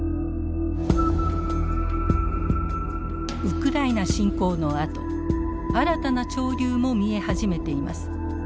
ウクライナ侵攻のあと新たな潮流も見え始めています。